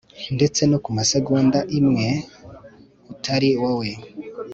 ndetse no kumasegonda imwe utari wowe